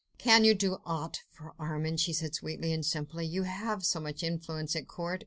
"Can you do aught for Armand?" she said sweetly and simply. "You have so much influence at court